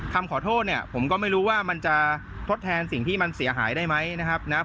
คำขอโทษเนี่ยผมก็ไม่รู้ว่ามันจะทดแทนสิ่งที่มันเสียหายได้ไหมนะครับ